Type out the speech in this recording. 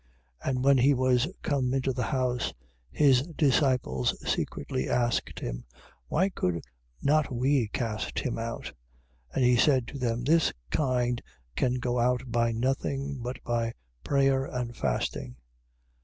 9:27. And when he was come into the house, his disciples secretly asked him: Why could not we cast him out? 9:28. And he said to them: This kind can go out by nothing, but by prayer and fasting.